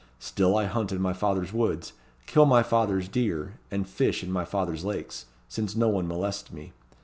Still I hunt in my father's woods; kill my father's deer; and fish in my father's lakes; since no one molests me.